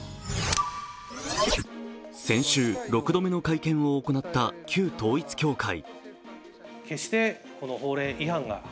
先週、６度目の会見を行った旧統一教会。